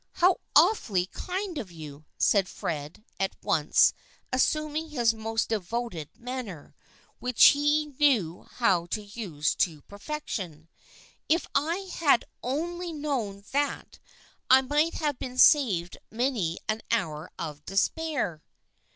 160 THE FRIENDSHIP OF ANNE " How awfully kind of you," said Fred, at once assuming his most devoted manner, which he knew how to use to perfection. " If I had only known that, I might have been saved many an hour of despair."